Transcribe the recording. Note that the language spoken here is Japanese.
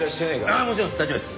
ああもちろんです大丈夫です。